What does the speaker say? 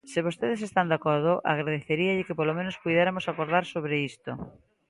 Se vostedes están de acordo, agradeceríalle que polo menos puideramos acordar sobre isto.